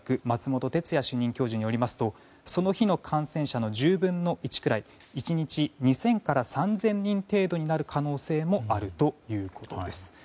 松本哲哉主任教授によりますとその日の感染者の１０分の１くらい１日２０００から３０００人程度になる可能性もあるということです。